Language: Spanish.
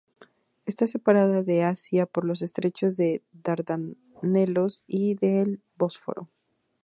Está separada de Asia por los estrechos de Dardanelos y del Bósforo.